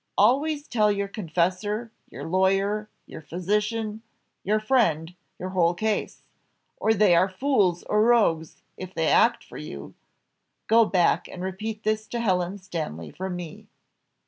Always tell your confessor, your lawyer, your physician, your friend, your whole case, or they are fools or rogues if they act for you; go back and repeat this to Helen Stanley from me."